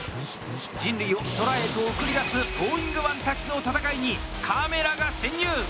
人類を空へと送り出すトーイングマンたちの戦いにカメラが潜入。